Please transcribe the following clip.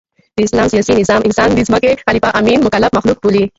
د اسلام سیاسي نظام انسان د مځکي خلیفه، امین او مکلف مخلوق بولي.